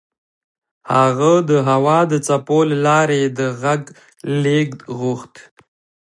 هغه د هوا د څپو له لارې د غږ لېږد غوښت